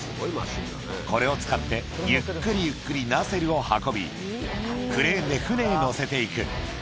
これを使って、ゆっくりゆっくりナセルを運び、クレーンで船に載せていく。